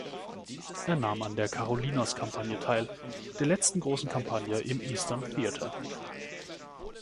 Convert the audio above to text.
Er nahm an der Carolinas-Kampagne teil, der letzten großen Kampagne im Eastern Theatre.